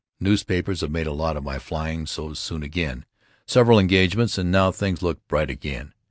Newspapers have made a lot of my flying so soon again, several engagements and now things look bright again.